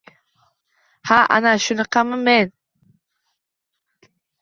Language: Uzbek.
Ha, ana shunaqaman men